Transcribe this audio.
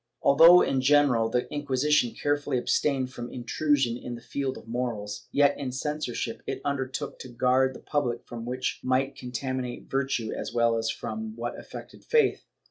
Although in general the Inquisition carefully abstained from intrusion in the field of morals, yet in censorship it undertook , to guard the public from that which might contaminate virtue as well as from what affected faith.